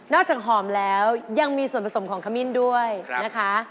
จากหอมแล้วยังมีส่วนผสมของขมิ้นด้วยนะคะ